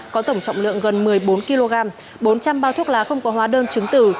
có tổng trọng lượng gần một mươi bốn kg bốn trăm linh bao thuốc lá không có hóa đơn chứng tử